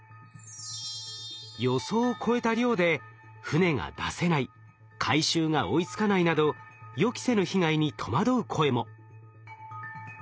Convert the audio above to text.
予想を超えた量で船が出せない回収が追いつかないなど予期せぬ被害に戸惑う声も。